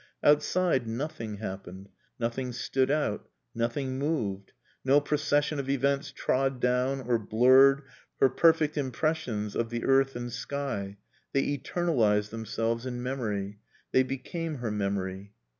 Outside nothing happened; nothing stood out; nothing moved. No procession of events trod down or blurred her perfect impressions of the earth and sky. They eternalised themselves in memory. They became her memory.